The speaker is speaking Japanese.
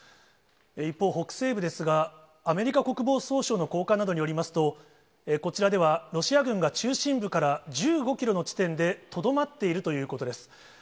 一方、北西部ですが、アメリカ国防総省の高官などによりますと、こちらではロシア軍が中心部から１５キロの地点でとどまっているということです。